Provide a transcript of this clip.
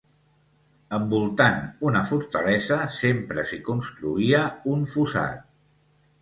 Envoltant una fortalesa sempre s'hi construïa un fossat.